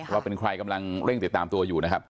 ว่าเป็นใครกำลังเร่งติดตามตัวอยู่นะครับ